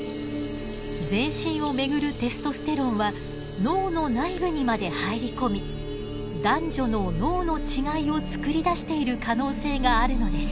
全身を巡るテストステロンは脳の内部にまで入り込み男女の脳の違いを作り出している可能性があるのです。